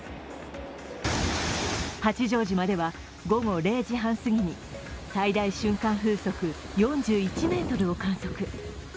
八丈島では午後０時半過ぎに最大瞬間風速４１メートルを観測。